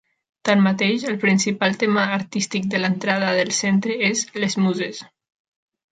Tanmateix, el principal tema artístic de l'entrada del centre és "Les Muses".